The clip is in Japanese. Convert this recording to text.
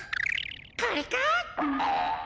これか！